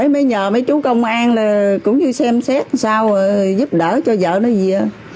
mới nhờ mấy chú công an là cũng như xem xét sao giúp đỡ cho vợ nó gì